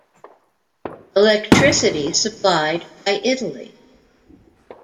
Electricity supplied by Italy.